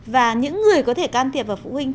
và những người có thể can thiệp vào phụ huynh